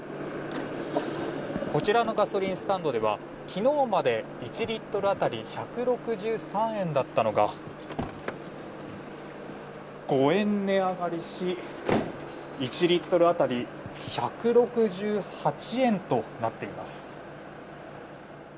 こちらのガソリンスタンドでは、昨日まで１リットル当たり１６３円だったのが５円値上がりし１リットル当たり１６８円となっています。